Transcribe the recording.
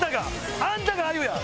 あんたがあゆや！